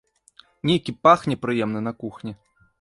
Нейкі пах непрыемны на кухні.